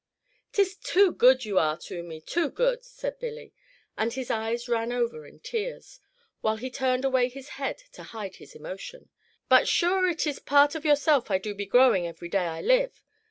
"'Tis too good you are to me, too good," said Billy, and his eyes ran over in tears, while he turned away his head to hide his emotion; "but sure it is part of yourself I do be growing every day I live.